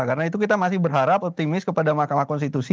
karena itu kita masih berharap optimis kepada mahkamah konstitusi